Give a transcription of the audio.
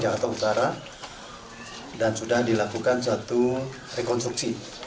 jakarta utara dan sudah dilakukan satu rekonstruksi